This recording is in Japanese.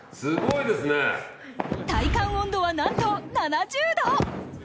体感温度は、なんと７０度。